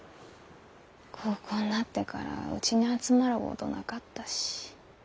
高校んなってからうちに集まるごどなかったし。